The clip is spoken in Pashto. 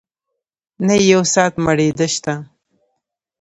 نه يې يو ساعت مړېدۀ شته